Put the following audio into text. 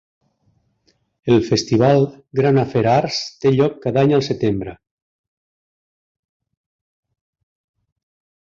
El festival Grand Affair Arts té lloc cada any al setembre.